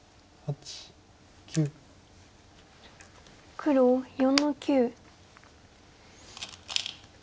黒４の九。